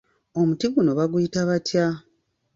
Emuti guno baguyita batya?